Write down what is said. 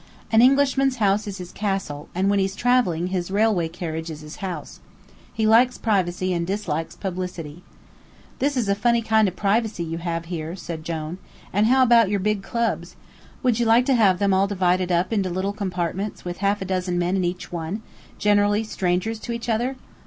An Englishman's house is his castle, and when he's travelling his railway carriage is his house. He likes privacy and dislikes publicity." "This is a funny kind of privacy you have here," said Jone. "And how about your big clubs? Would you like to have them all divided up into little compartments with half a dozen men in each one, generally strangers to each other?"